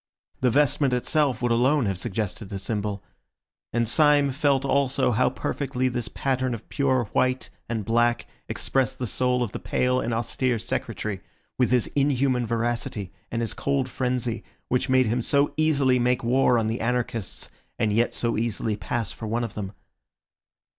The vestment itself would alone have suggested the symbol; and Syme felt also how perfectly this pattern of pure white and black expressed the soul of the pale and austere Secretary, with his inhuman veracity and his cold frenzy, which made him so easily make war on the anarchists, and yet so easily pass for one of them.